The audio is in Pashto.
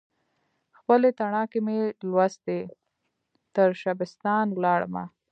خپلې تڼاکې مې لوستي، ترشبستان ولاړمه